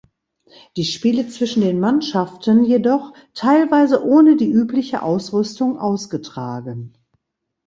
Die Spiele zwischen den Mannschaften jedoch teilweise ohne die übliche Ausrüstung ausgetragen.